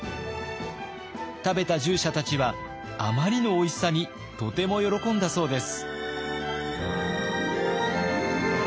食べた従者たちはあまりのおいしさにとても喜んだそうです。